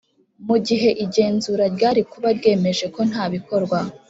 mu gihe igenzura ryari kuba ryemeje ko nta bikorwa